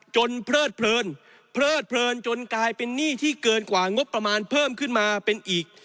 เพลิดเพลินเพลิดเพลินจนกลายเป็นหนี้ที่เกินกว่างบประมาณเพิ่มขึ้นมาเป็นอีก